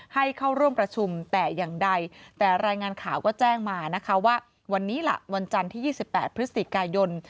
ให้เข้าร่วมประชุมแต่อย่างใดแต่รายงานข่าวก็แจ้งมานะคะว่าวันนี้ล่ะวันจันทร์ที่๒๘พฤศจิกายน